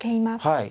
はい。